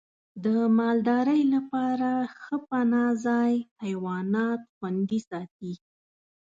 د مالدارۍ لپاره ښه پناه ځای حیوانات خوندي ساتي.